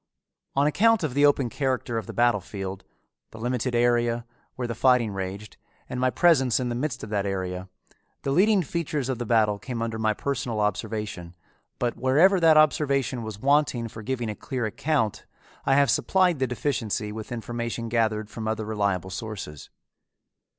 On account of the open character of the battle field, the limited area, where the fighting raged, and my presence in the midst of that area, the leading features of the battle came under my personal observation, but wherever that observation was wanting for giving a clear account I have supplied the deficiency with information gathered from other reliable sources.